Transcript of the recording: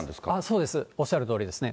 そうです、おっしゃるとおりですね。